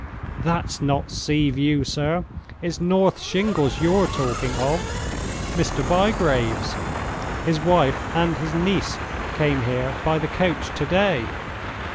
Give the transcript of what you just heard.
"That's not Sea view, sir! It's North Shingles you're talking of. Mr. Bygrave's. His wife and his niece came here by the coach to day.